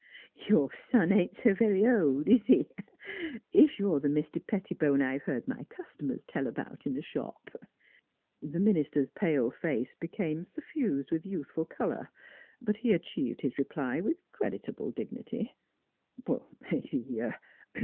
" Your son ain't so very old, is he? If you're the Mr. Pettibone I've heard my customers tell about in the shop." The minister's pale face became suffused with youthful color, but he achieved his reply with creditable dignity.